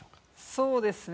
そうですね。